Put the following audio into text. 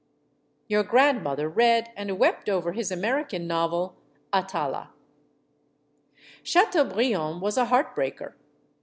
Your grandmother read and wept over his American novel, "Atala." Chateaubriand was a heartbreaker.